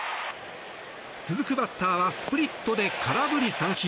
続くバッターはスプリットで空振り三振。